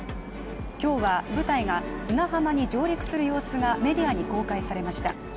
今日は、部隊が砂浜に上陸する様子がメディアに公開されました。